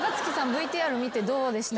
ＶＴＲ見てどうでした？